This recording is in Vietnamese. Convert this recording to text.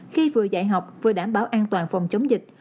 khi vừa dạy học vừa đảm bảo an toàn phòng chống dịch